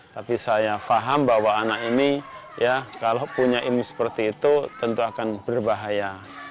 tapi saya paham bahwa anak ini ya kalau punya ilmu seperti itu tentu akan berbahaya